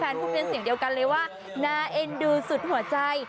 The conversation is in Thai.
แฟนพวกเค้ามีเสียงเดียวกันเลยว่านาเอ็นดูสุดหัวใจ